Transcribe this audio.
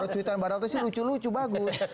orang cuitan mbak rata sih lucu lucu bagus